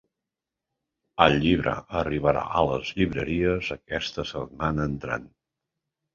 El llibre arribarà a les llibreries aquesta setmana entrant.